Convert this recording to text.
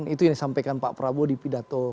itu yang disampaikan pak prabowo di pidato